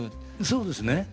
そうですね。